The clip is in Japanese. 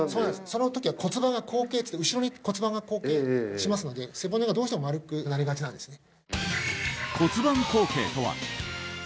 その時は骨盤が後傾っていって後ろに骨盤が後傾しますので背骨がどうしても丸くなりがちなんですね